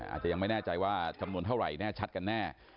อาจจะยังไม่แน่ใจว่าจำนวนเท่าไหร่แน่ชัดกันแน่